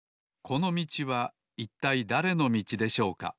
このみちはいったいだれのみちでしょうか？